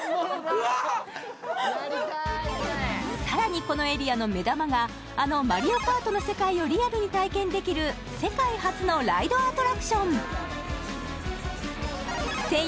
さらにこのエリアの目玉があのマリオカートの世界をリアルに体験できる世界初のライドアトラクション専用のヘッドセットを装着すると